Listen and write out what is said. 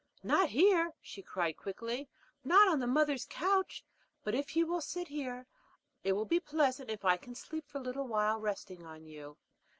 "Not there!" she cried quickly. "Not on the mother's couch. But if you will sit here, it will be pleasant if I can sleep for a little while, resting on you."